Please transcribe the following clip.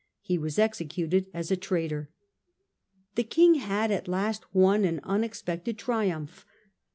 He was executed as a traitor. The king had at last won an imexpected triumph.